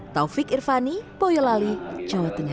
taufik irvani boyolali jawa tengah